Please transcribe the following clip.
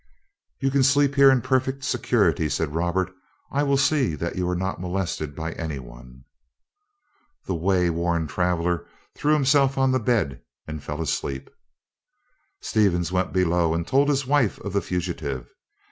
"You can sleep here in perfect security," said Robert. "I will see that you are not molested by any one." The wayworn traveller threw himself on the bed and fell asleep. Stevens went below and told his wife of the fugitive.